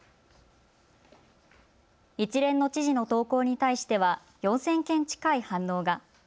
一連の知事の投稿に対しては４０００件近い反応が。